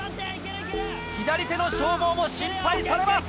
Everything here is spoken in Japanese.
左手の消耗も心配されます。